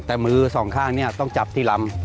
แต่มือสองข้างเนี่ยต้องจับที่ลำ